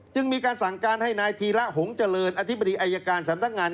จึงมีการสั่งการให้นายธีระหงษ์เจริญอธิบดีอายการสำนักงาน